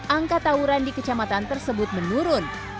angka tawuran di kecamatan tersebut menurun